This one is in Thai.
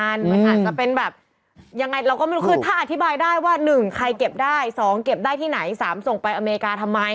มันอาจจะเป็นแบบยังไงเราก็ไม่รู้คือถ้าอธิบายได้ว่า๑ใครเก็บได้๒เก็บได้ที่ไหน๓ส่งไปอเมริกาทำไม